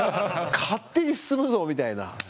勝手に進むぞ！みたいな。